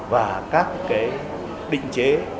và các cái định chế